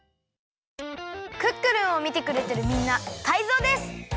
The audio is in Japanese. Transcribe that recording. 「クックルン」をみてくれてるみんなタイゾウです！